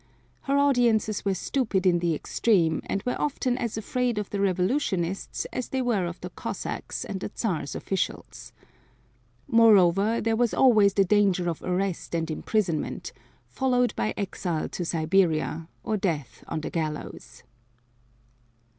Her audiences were stupid in the extreme, and were often as afraid of the revolutionists as they were of the Cossacks and the Czar's officials. Moreover there was always the danger of arrest and imprisonment, followed by exile to Siberia, or death on the gallows.